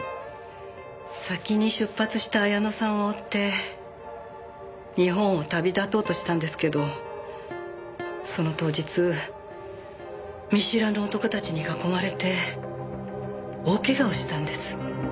先に出発した彩乃さんを追って日本を旅立とうとしたんですけどその当日見知らぬ男たちに囲まれて大怪我をしたんです。